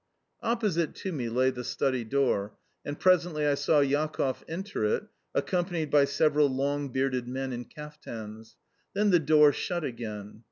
Opposite to me lay the study door, and presently I saw Jakoff enter it, accompanied by several long bearded men in kaftans. Then the door shut again.